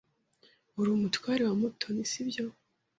Uri umutware wa Mutoni, sibyo?